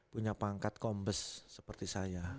punya pangkat kombes seperti saya